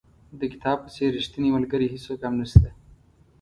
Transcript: د کتاب په څېر ریښتینی ملګری هېڅوک هم نشته.